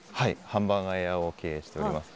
ハンバーガー屋を経営しております。